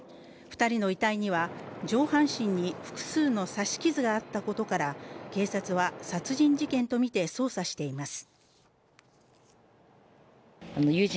２人の遺体には上半身に複数の刺し傷があったことから警察は殺人事件とみて捜査しています。